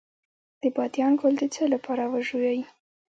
د بادیان ګل د څه لپاره وژويئ؟